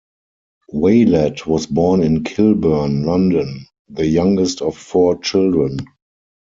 Waylett was born in Kilburn, London, the youngest of four children.